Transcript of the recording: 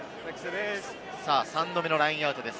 ３度目のラインアウトです。